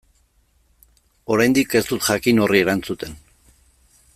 Oraindik ez dut jakin horri erantzuten.